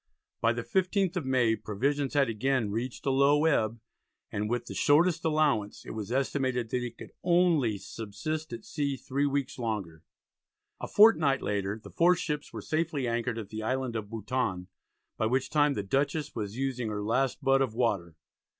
By the 15th of May provisions had again reached a low ebb, and "with the shortest allowance" it was estimated that they could only "subsist at sea 3 weeks longer." A fortnight later the four ships were safely anchored at the island of Bouton, by which time the Dutchess was using her last butt of water.